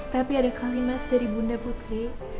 tapi ada kalimat dari bunda putri